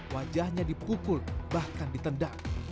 wajahnya dipukul bahkan ditendang